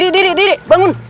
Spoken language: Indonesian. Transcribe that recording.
diri diri bangun